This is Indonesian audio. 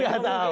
kita gak tahu